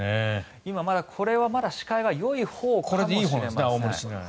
今、まだこれはまだ視界はよいほうかもしれません。